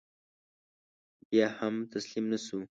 بیا هم تسلیم نه شو.